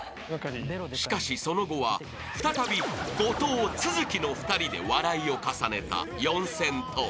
［しかしその後は再び後藤都築の２人で笑いを重ねた四千頭身］